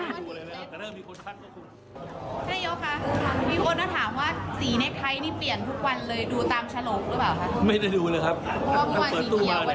ท่านเย้าค่ะมีคนถามว่าสีเน็ตไทท์นี่เปลี่ยนทุกวันเลย